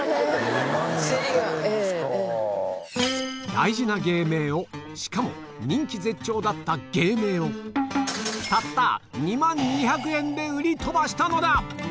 大事な芸名をしかも人気絶頂だった芸名をたった２万２００円で売り飛ばしたのだ！